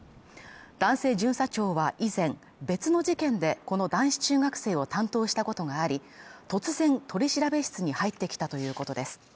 男性巡査長は以前、別の事件で、この男子中学生を担当したことがあり、突然取り調べ室に入ってきたということです。